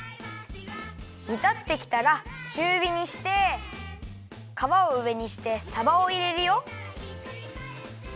煮たってきたらちゅうびにしてかわをうえにしてさばをいれるよ。